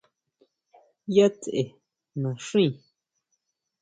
¿Ya tsʼe naxín?